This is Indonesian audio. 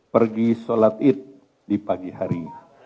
pergi sholat id di pagi hari